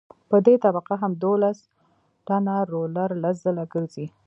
په دې طبقه هم دولس ټنه رولر لس ځله ګرځي